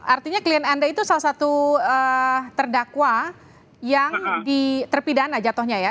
artinya klien anda itu salah satu terdakwa yang terpidana jatuhnya ya